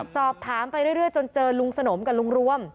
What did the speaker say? สอบถามไปเรื่อยจนเจอลุงสนมกับลุงรวม